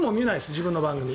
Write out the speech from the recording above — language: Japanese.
自分の番組。